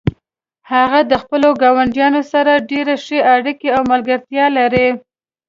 هغه د خپلو ګاونډیانو سره ډیرې ښې اړیکې او ملګرتیا لري